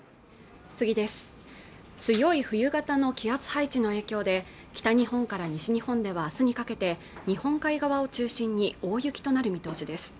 強い冬型の気圧配置の影響で北日本から西日本ではあすにかけて日本海側を中心に大雪となる見通しです